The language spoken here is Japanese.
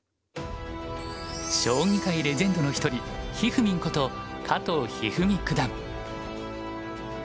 将棋界レジェンドの一人ひふみんこと加藤一二三九段。